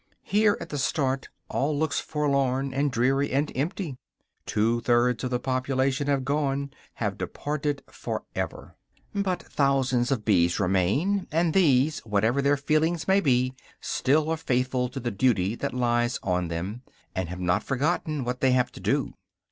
Here, at the start, all looks forlorn, and dreary, and empty. Two thirds of the population have gone, have departed forever. But thousands of bees remain; and these, whatever their feelings may be, still are faithful to the duty that lies on them, and have not forgotten what they have to do.